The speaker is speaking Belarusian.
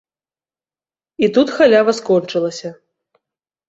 І тут халява скончылася.